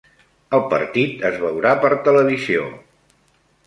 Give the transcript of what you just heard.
El partit es veurà per televisió.